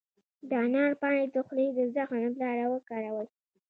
د انار پاڼې د خولې د زخم لپاره وکاروئ